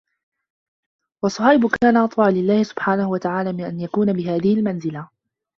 وَصُهَيْبٌ كَانَ أَطَوْعَ لِلَّهِ سُبْحَانَهُ وَتَعَالَى مِنْ أَنْ يَكُونَ بِهَذِهِ الْمَنْزِلَةِ